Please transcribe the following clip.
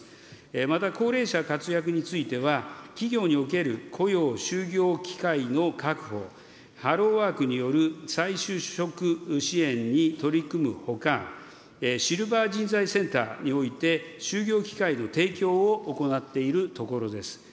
また高齢者活躍については、企業における雇用、就業機会の確保、ハローワークによる再就職支援に取り組むほか、シルバー人材センターにおいて、就業機会の提供を行っているところです。